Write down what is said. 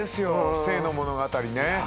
生の物語ね。